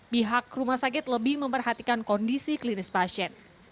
pihak rumah sakit lebih memperhatikan kondisi klinis pasien